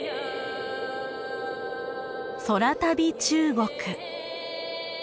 「空旅中国」。